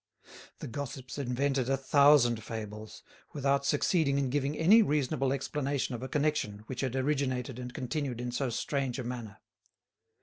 The gossips invented a thousand fables, without succeeding in giving any reasonable explanation of a connection which had originated and continued in so strange a manner.